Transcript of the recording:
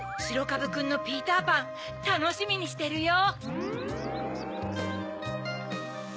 かぶくんのピーターパンたのしみにしてるよ。